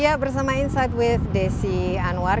ya bersama insight with desi anwar